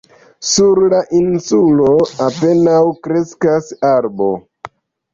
Sur la insulo apenaŭ kreskas arbo.